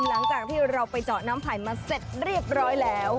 หลังจากที่เราไปเจาะน้ำไผ่มาเสร็จเรียบร้อยแล้ว